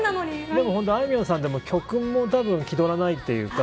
でも、あいみょんさんって曲も気取らないっていうか